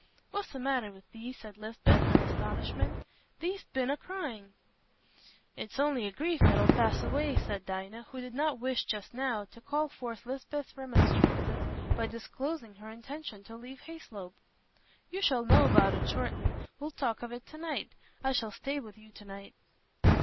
"What's the matter wi' thee?" said Lisbeth, in astonishment; "thee'st been a cryin'." "It's only a grief that'll pass away," said Dinah, who did not wish just now to call forth Lisbeth's remonstrances by disclosing her intention to leave Hayslope. "You shall know about it shortly—we'll talk of it to night. I shall stay with you to night."